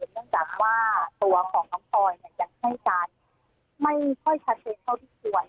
เนื่องจากว่าตัวของน้องพลอยยังให้การไม่ค่อยชัดเจนเท่าที่ควร